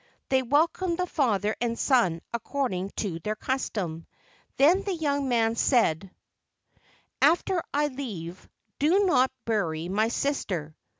They welcomed the father and son according to their custom. Then the young man said, "After I leave, do not bury my sister."